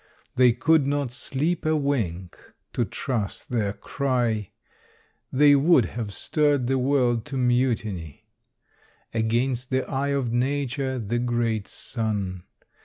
They could not sleep a wink (to trust their cry): They would have stirred the world to mutiny Against the eye of nature the great sun.